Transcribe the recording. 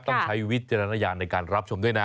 ใช้วิจารณญาณในการรับชมด้วยนะ